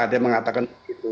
dia mengatakan itu